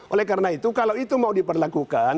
oleh karena itu kalau itu mau diperlakukan